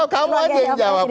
kamu saja yang jawab